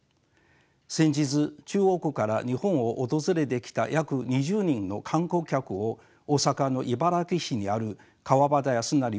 先日中国から日本を訪れてきた約２０人の観光客を大阪の茨木市にある川端康成文学館にご案内いたしました。